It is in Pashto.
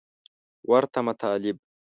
ورته مطالب